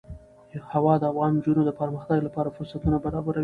هوا د افغان نجونو د پرمختګ لپاره فرصتونه برابروي.